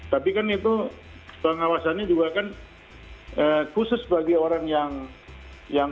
tapi kan itu pengawasannya juga kan khusus bagi orang yang